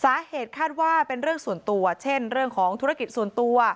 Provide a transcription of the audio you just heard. สาเหตุคาดว่าเป็นเรื่องส่วนตัวเช่นเรื่องของธุรกิจส่วนตัว